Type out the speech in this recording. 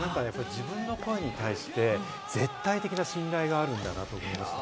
自分の声に対して絶対的な信頼があるんだなと思って。